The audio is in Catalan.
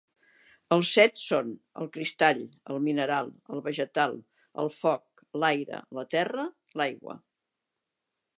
Els set són: el cristall, el mineral, el vegetal, el foc, l'aire, la terra, l'aigua.